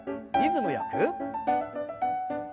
リズムよく。